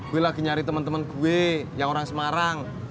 gue lagi nyari temen temen gue yang orang semarang